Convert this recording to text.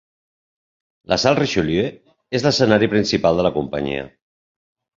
La Salle Richelieu és l'escenari principal de la companyia.